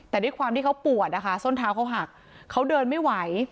แต่ด้วยความที่เขาปวดนะคะส้นเท้าเขาหักเขาเดินไม่ไหว